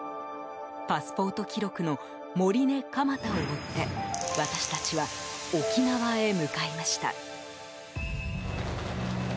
パスポート記録のモリネ・カマタを追って私たちは沖縄へ向かいました。